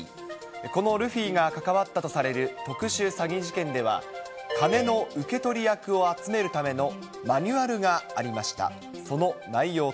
このルフィが関わったとされる特殊詐欺事件では、金の受け取り役を集めるためのマニュアルがありました。